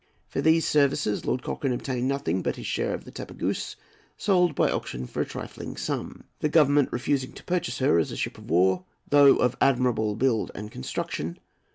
For these services Lord Cochrane obtained nothing but his share of the Tapageuse, sold by auction for a trifling sum, the Government refusing to purchase her as a ship of war, though of admirable build and construction.